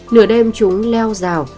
nửa đêm chúng leo rào